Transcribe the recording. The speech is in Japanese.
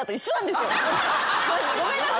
ごめんなさい。